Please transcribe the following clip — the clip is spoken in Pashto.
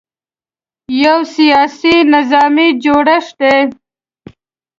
یو سیاسي – نظامي جوړښت دی.